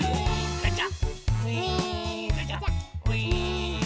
ガチャ！